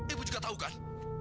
ibu juga tahu kan